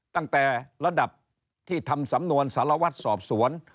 ตั้งแต่ระดับที่ทำสำนวนสารวัตรสอบสวน